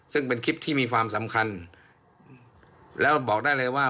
ซึ่งเป็นคลิปที่มีความสำคัญแล้วบอกได้เลยว่า